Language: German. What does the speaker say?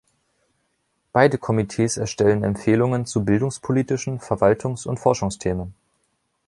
Beide Komitees erstellen Empfehlungen zu bildungspolitischen, Verwaltungs- und Forschungsthemen.